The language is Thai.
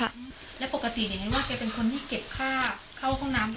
แล้วปกติเนี้ยไงว่าเขาเป็นคนที่เก็บข้าวเข้าห้องน้ำด้วย